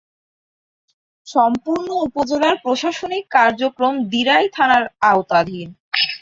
সম্পূর্ণ উপজেলার প্রশাসনিক কার্যক্রম দিরাই থানার আওতাধীন।